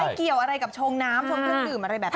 ไม่เกี่ยวอะไรกับชงน้ำชงกล้มอะไรแบบนี้